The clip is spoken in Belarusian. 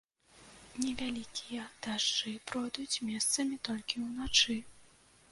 Невялікія дажджы пройдуць месцамі толькі ўначы.